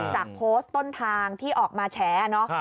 จากโพสต้นทางที่ออกมาแชร์